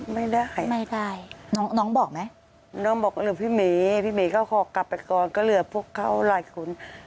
ไม่ได้น้องบอกไหมน้องบอกว่าพี่หมีเขากลับไปก่อนก็เหลือพวกเขาหลายคน